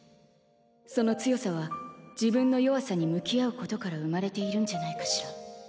その強さは自分の弱さに向き合うことから生まれているんじゃないかしら。